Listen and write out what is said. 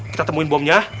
kita temuin bomnya